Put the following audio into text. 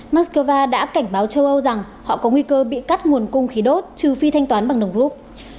moscow đã cảnh báo châu âu rằng họ có nguy cơ bị cắt nguồn cung khí đốt trừ phi thanh toán bằng đồng rút